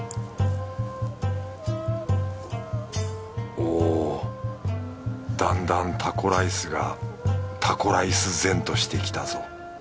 おだんだんタコライスがタコライス然としてきたぞ。